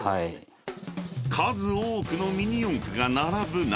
［数多くのミニ四駆が並ぶ中